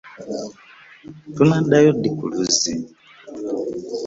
Tunaddayo ddi ku luzzi.